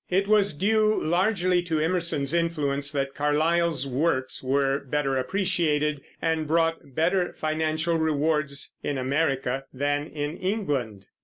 It was due largely to Emerson's influence that Carlyle's works were better appreciated, and brought better financial rewards, in America than in England.